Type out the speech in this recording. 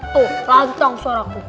tuh lantang suaraku